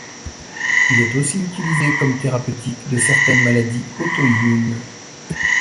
Il est aussi utilisé comme thérapeutique de certaines maladies auto-immunes.